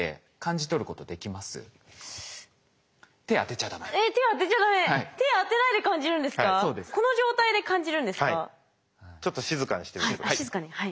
ちょっと静かにしてみて下さい。